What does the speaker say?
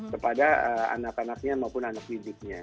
kepada anak anaknya maupun anak anak mudiknya